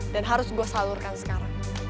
dan harus gue salurkan sekarang